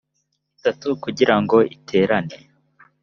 itatu kugira ngo iterane